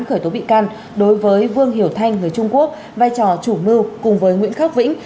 khởi tố bị can đối với vương hiểu thanh người trung quốc vai trò chủ mưu cùng với nguyễn khắc vĩnh